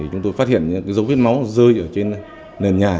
chúng tôi phát hiện dấu vết máu rơi trên nền nhà